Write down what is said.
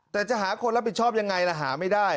แต่จะหาคนรับผิดชอบยังไงล่ะหาไม่ได้